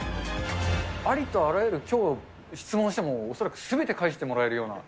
ありとあらゆる、きょう、質問しても、恐らくすべて返してもらえるような。